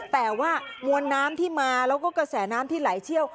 แต่ว่ามวลน้ำที่มาแล้วก็กระแสน้ำที่ไหลเชี่ยว